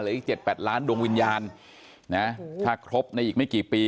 อีก๗๘ล้านดวงวิญญาณนะถ้าครบในอีกไม่กี่ปี